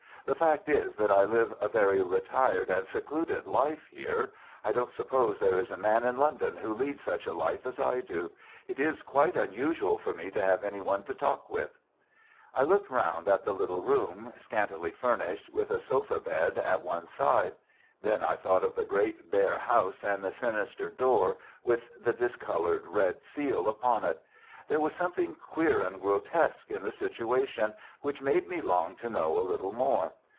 The fact is that I live a very retired and secluded life here. I don't suppose there is a man in London who leads such a life as I do. It is quite unusual for me to have any one to talk with." I looked round at the little room, scantily furnished, with a sofa bed at one side. Then I thought of the great, bare house, and the sinister door with the discoloured red seal upon it. There was something queer and grotesque in the situation, which made me long to know a little more.